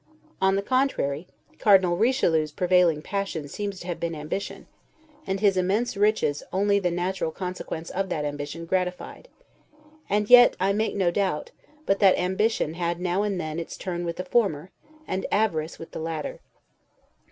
On the contrary, Cardinal Richelieu's prevailing passion seems to have been ambition, and his immense riches only the natural consequences of that ambition gratified; and yet, I make no doubt, but that ambition had now and then its turn with the former, and avarice with the latter.